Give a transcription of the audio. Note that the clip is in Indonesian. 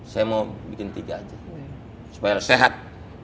saya mau bikin tiga aja supaya sehat